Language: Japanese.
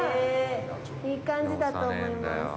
いい感じだと思います。